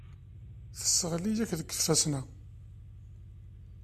Tesseɣli-ak deg tfesna.